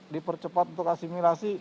dipercepat untuk asimilasi